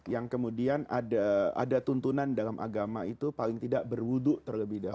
yang kemudian ada tuntunan dalam agama itu paling tidak berwudu terlebih dahulu